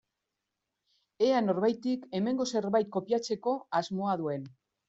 Ea norbaitek hemengo zerbait kopiatzeko asmoa duen.